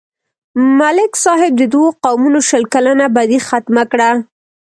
ملک صاحب د دوو قومونو شل کلنه بدي ختمه کړه.